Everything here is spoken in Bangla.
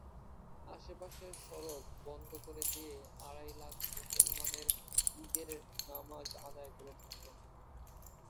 আশপাশের সড়ক বন্ধ করে দিয়ে আড়াই লাখ মুসলমান ঈদের নামাজ আদায় করে থাকেন।